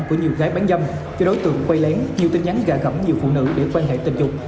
của nhiều gái bán dâm khi đối tượng quay lén nhiều tin nhắn gà gẫm nhiều phụ nữ để quan hệ tình dục